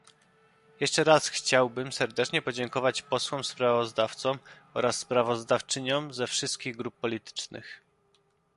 Jeszcze raz chciałbym serdecznie podziękować posłom sprawozdawcom oraz sprawozdawczyniom ze wszystkich grup politycznych